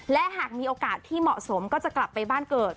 และหากมีโอกาสที่เหมาะสมก็จะกลับไปบ้านเกิด